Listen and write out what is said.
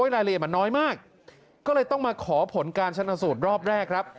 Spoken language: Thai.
รายละเอียดมันน้อยมากก็เลยต้องมาขอผลการชนะสูตรรอบแรกครับ